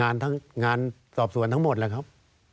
ใช่งานสอบสวนทั้งหมดนะครับ